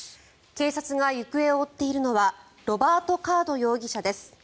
警察が行方を追っているのはロバート・カード容疑者です。